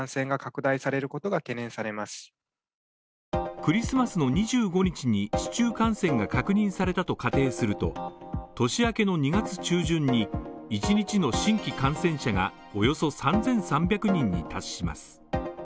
クリスマスの２５日に市中感染が確認されたと仮定すると、年明けの２月中旬に１日の新規感染者がおよそ３３００人に達します。